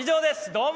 どうも。